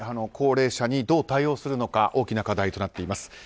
高齢者にどう対応するのか大きな課題となっています。